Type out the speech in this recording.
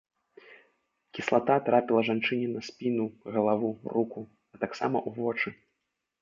Кіслата трапіла жанчыне на спіну, галаву, руку, а таксама ў вочы.